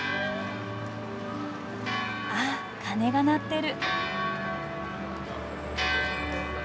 あっ鐘が鳴ってる。